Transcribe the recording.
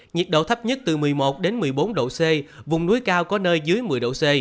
nhiệt độ thấp nhất từ một mươi một đến một mươi bốn độ c vùng núi cao có nơi dưới một mươi độ c